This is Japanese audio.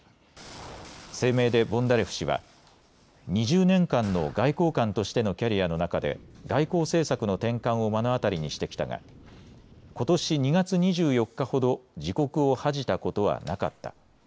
声明でボンダレフ氏は２０年間の外交官としてのキャリアの中で外交政策の転換を目の当たりにしてきたがことし２月２４日ほど自国を恥じたことはなかった。